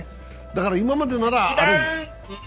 だから今までならある